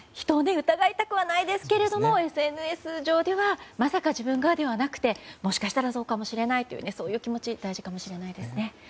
人を疑いたくないですけどＳＮＳ上ではまさか自分がではなくてもしかしたらそうかもしれないという気持ち大事かもしれないですね。